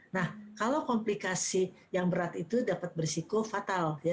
nah kalau komplikasi yang berat itu dapat bersikopatal ya